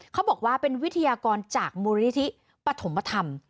เขาบอกว่าเป็นวิทยากรจากมูลนิธิปฐมธรรม